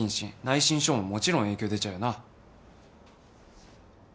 内申書ももちろん影響出ちゃうよな。